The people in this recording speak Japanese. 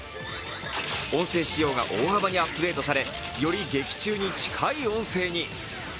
音声仕様が大幅にアップデートされより劇中に近い音声に。